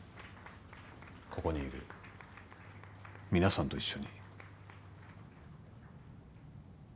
ここにいる皆さんと一緒に。